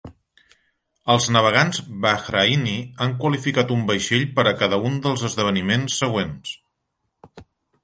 Els navegants Bahraini han qualificat un vaixell per a cada un dels esdeveniments següents.